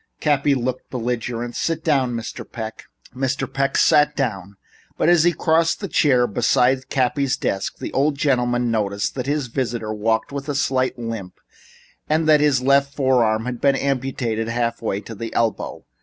Cappy looked belligerent. "Sit down, Mr. Peck." Mr. Peck sat down, but as he crossed to the chair beside Cappy's desk, the old gentleman noticed that his visitor walked with a slight limp, and that his left forearm had been amputated half way to the elbow.